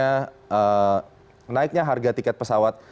karena naiknya harga tiket pesawat